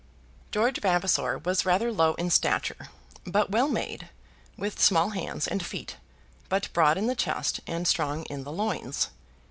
George Vavasor was rather low in stature, but well made, with small hands and feet, but broad in the chest and strong in the loins.